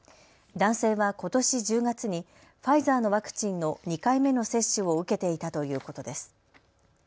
男性はことし１０月にファイザーのワクチンの２回目の接種を受けていたということです。